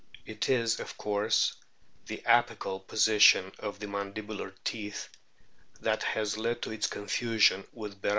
It is, of course, the apical position of the mandibular teeth that has led to its confusion with Berardius.